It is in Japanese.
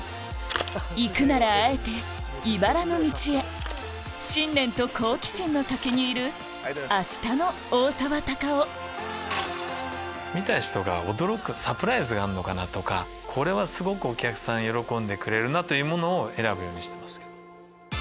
行くならあえて茨の道へ信念と好奇心の先にいるあしたの大沢たかお見た人が驚くサプライズがあるのかな？とかこれはすごくお客さん喜んでくれるなというものを選ぶようにしてます。